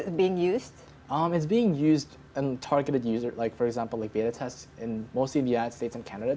ini digunakan untuk pengguna yang tertarget seperti contohnya beta test di amerika serikat dan kanada saat ini